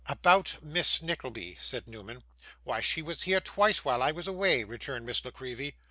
'About Miss Nickleby ' said Newman. 'Why, she was here twice while I was away,' returned Miss La Creevy.